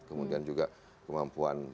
kemudian juga kemampuan